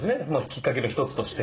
きっかけの１つとして。